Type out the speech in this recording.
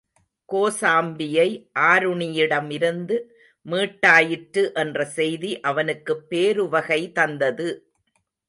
கோசாம்பியை ஆருணியிடமிருந்து மீட்டாயிற்று என்ற செய்தி அவனுக்குப் பேருவகை தந்தது.